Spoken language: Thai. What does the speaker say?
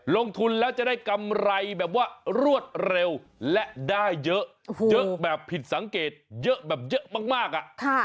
ลงทุนแล้วจะได้กำไรแบบว่ารวดเร็วและได้เยอะเยอะแบบผิดสังเกตเยอะแบบเยอะมากอ่ะ